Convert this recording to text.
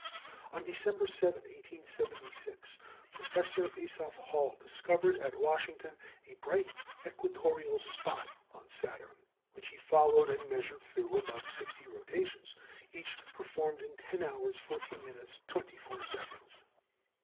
On December 7, 1876, Professor Asaph Hall discovered at Washington a bright equatorial spot on Saturn, which he followed and measured through above sixty rotations, each performed in ten hours fourteen minutes twenty four seconds.